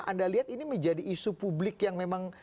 anda lihat ini menjadi isu publik yang memang